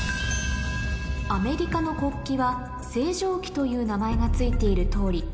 アメリカの国旗は星条旗という名前が付いている通り